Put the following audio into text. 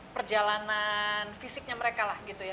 perjalanan fisiknya mereka lah gitu ya